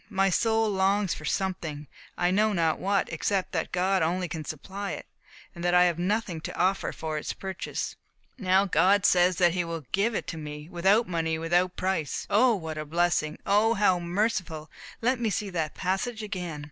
My soul longs for something, I know not what, except that God only can supply it, and that I have nothing to offer for its purchase. Now God says that he will give it, 'without money and without price.' O, what a blessing! O, how merciful! Let me see that passage again."